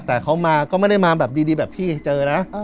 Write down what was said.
แต่เขามาก็ไม่ได้มาแบบดีแบบพี่เจอนะ